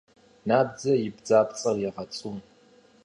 Набдзэ и бдзапцӏэр егъэцӏу.